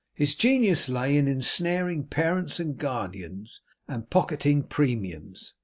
His genius lay in ensnaring parents and guardians, and pocketing premiums.